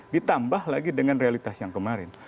ditambah lagi dengan realitas yang kemarin